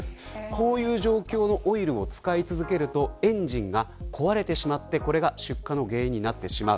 こういう状況のオイルを使い続けるとエンジンが壊れてしまってこれが出火の原因になってしまう。